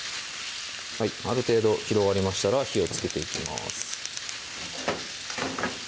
ある程度広がりましたら火をつけていきます